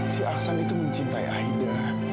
si ahsan itu mencintai aida